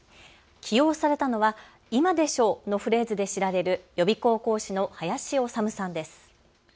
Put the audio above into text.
起用されたのは今でしょ！のフレーズで知られる予備校講師の林修さんです。